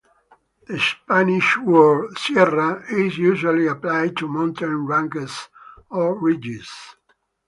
The Spanish word "sierra" is usually applied to mountain ranges or ridges.